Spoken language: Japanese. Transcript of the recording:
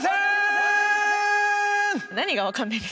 何が分かんないんですか？